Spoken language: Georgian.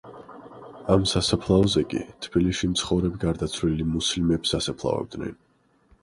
ამ სასაფლაოზე კი, თბილისში მცხოვრებ გარდაცვლილი მუსლიმებს ასაფლავებდნენ.